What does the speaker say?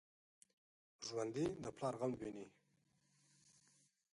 ژوندي د پلار غم ویني